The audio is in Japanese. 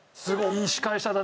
いい司会者だね。